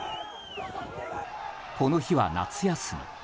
この日は夏休み。